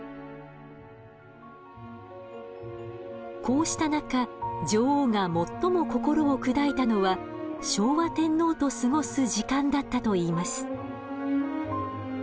こうした中女王が最も心を砕いたのは昭和天皇と過ごす時間だったといいます。